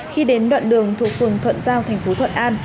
khi đến đoạn đường thuộc phường thuận giao tp thuận an